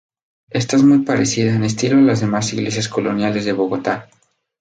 Esta es muy parecida en estilo a las demás iglesias coloniales de Bogotá.